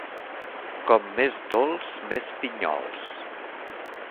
Com més dolç, més pinyols.